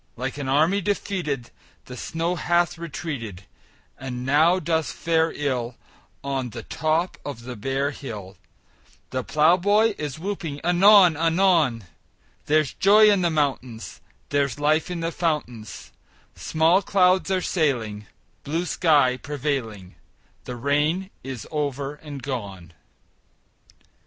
Like an army defeated The snow hath retreated, And now doth fare ill On the top of the bare hill; The plowboy is whooping anon anon: There's joy in the mountains; There's life in the fountains; Small clouds are sailing, Blue sky prevailing; The rain is over and gone!